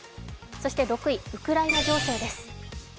そして６位ウクライナ情勢です。